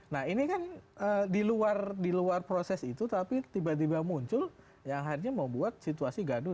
nah ini kan di luar proses itu tapi tiba tiba muncul yang akhirnya membuat situasi gaduh